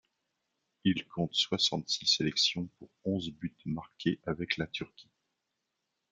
Il compte soixante-six sélections pour onze buts marqués avec la Turquie.